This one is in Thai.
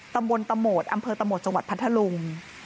ตำบลตมอำเภอตำบลตมจังหวัดพัทธาลุง